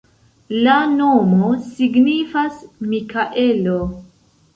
La nomo signifas Mikaelo.